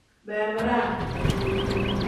Beemiraa.